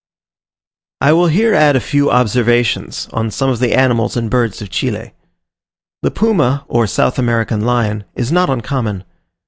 I will here add a few observations on some of the animals and birds of Chile. The Puma, or South American Lion, is not uncommon.